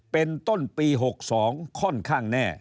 เป็นต้นปี๖๒ค่อนข้างแน่